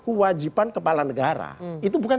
kewajiban kepala negara itu bukan